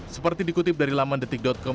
seperti dikutip dari laman detik com